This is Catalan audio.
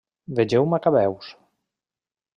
Vegeu Macabeus.